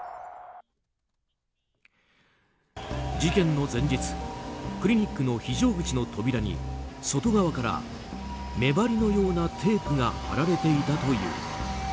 事件の前日クリニックの非常口の扉に外側から目張りのようなテープが貼られていたという。